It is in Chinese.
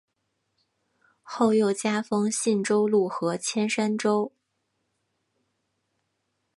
后又加封信州路和铅山州。